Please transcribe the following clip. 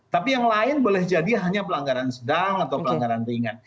tapi yang lain boleh jadi hanya pelanggaran sedang atau pelanggaran ringan